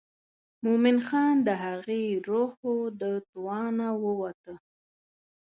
مومن خان د هغې روح و د توانه ووته.